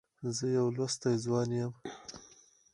زه يو لوستی ځوان یم.